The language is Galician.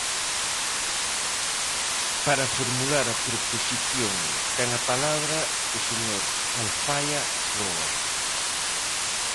Para formular a proposición ten a palabra o señor Alfaia Croa.